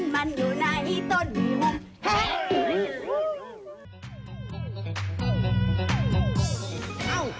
มันอยู่ในต้นหุ่ม